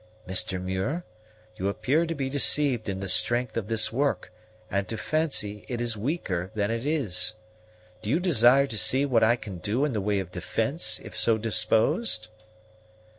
"Mr. Muir, you appear to be deceived in the strength of this work, and to fancy it weaker than it is. Do you desire to see what I can do in the way of defence, if so disposed?"